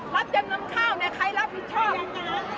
รับจำนำข้าวในใครรับผิดชอบ